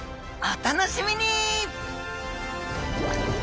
お楽しみに！